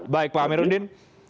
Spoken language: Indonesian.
baik pak amerudin